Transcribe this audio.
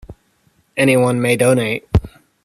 Anyone may donate.